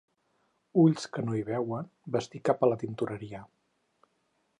Ulls que no hi veuen, vestit cap a la tintoreria.